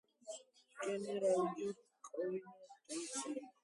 გენერალი გიორგი კვინიტაძე იძულებული იყო დაეწყო უკან დახევა.